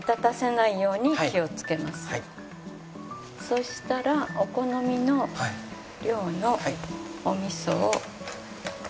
そうしたらお好みの量のお味噌を。